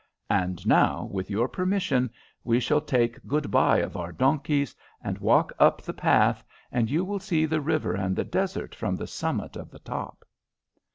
And now, with your permission, we shall take good bye of our donkeys and walk up the path, and you will see the river and the desert from the summit of the top."